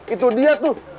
itu dia tuh